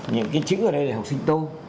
những cái chữ ở đây để học sinh tô